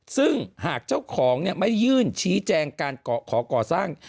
ซึ่งหากเจ้าของไม่ยื่นชี้แจงการขอก่อสร้าง